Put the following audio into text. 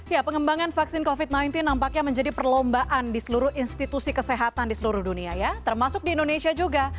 ya pengembangan vaksin covid sembilan belas nampaknya menjadi perlombaan di seluruh institusi kesehatan di seluruh dunia ya termasuk di indonesia juga